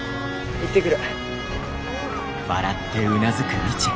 行ってくる。